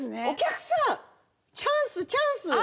お客さんチャンスチャンス！